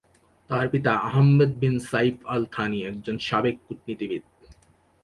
তার পিতা Ahmed bin Saif Al Thani একজন সাবেক কূটনীতিবিদ।